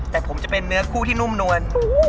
แต่ผมจะเป็นเนื้อคู่ที่นุ่มนวล